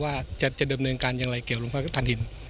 ว่าจะเดิมเนินการอย่างไรเกี่ยวโรงไฟฟ้าฐานหิน